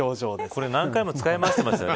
これ何回も使い回してますよね